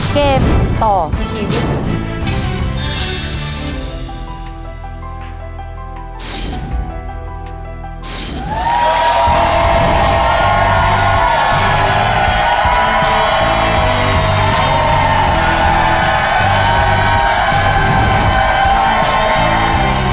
เกมต่อชีวิต